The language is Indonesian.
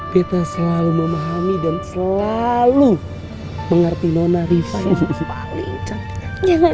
kita selalu memahami dan selalu mengerti nona riva yang paling cantik